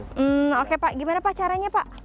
hmm oke pak gimana pak caranya pak